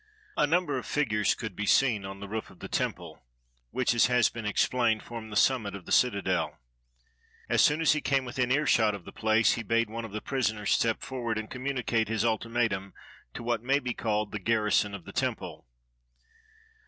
A number of figures could be seen on the roof of the temple, which, as has been explained, formed the sum mit of the citadel. As soon as he came within earshot of the place he bade one of the prisoners step forsvard and communicate his ultimatum to what may be called the garrison of the temple.